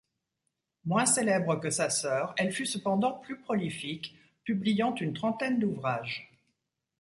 Moins célèbre que sa sœur, elle fut cependant plus prolifique, publiant une trentaine d'ouvrages.